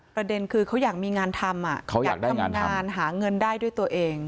ประเด็นคือเขาอยากมีงานทำอะเขาอยากได้งานทำอยากทำงานหาเงินได้ด้วยตัวเอง